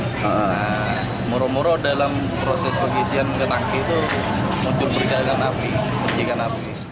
nah murau murau dalam proses pengisian ketangki itu muncul perjalanan api